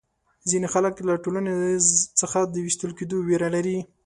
ځینې خلک له ټولنې څخه د وېستل کېدو وېره لري.